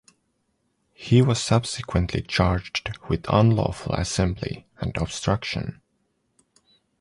He was subsequently charged with unlawful assembly and obstruction.